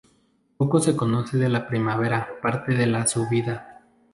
Poco se conoce de la primera parte de la su vida.